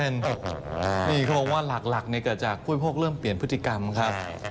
นี่เขาบอกว่าหลักเนี่ยก็จะพูดพวกเริ่มเปลี่ยนพฤติกรรมครับ